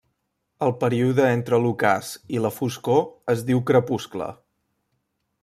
El període entre l'ocàs i la foscor es diu crepuscle.